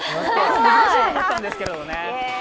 難しいと思ったんですけどね。